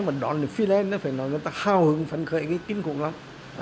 mà đón được fidel phải nói người ta hào hứng phấn khởi cái kinh khủng lắm